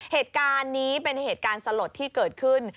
เหตุการณ์นี้เป็นเหตุการณ์สลดที่เกิดขึ้น